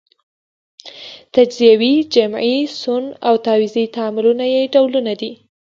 تجزیوي، جمعي، سون او تعویضي تعاملونه یې ډولونه دي.